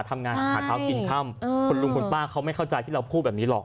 คนลุงค่ะพี่ป้าไม่เข้าใจที่เราพูดแบบนี้หรอก